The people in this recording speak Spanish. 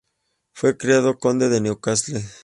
Fue creado Conde de de Newcastle.